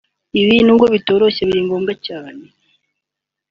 ibi nubwo bitoroshye biri ngombwa cyane